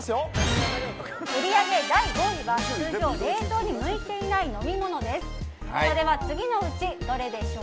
売り上げ第５位は通常冷凍に向いていない飲み物です。